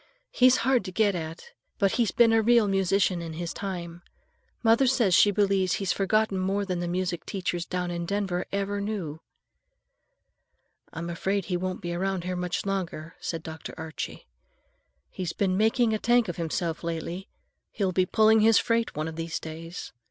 He's hard to get at, but he's been a real musician in his time. Mother says she believes he's forgotten more than the music teachers down in Denver ever knew." "I'm afraid he won't be around here much longer," said Dr. Archie. "He's been making a tank of himself lately. He'll be pulling his freight one of these days.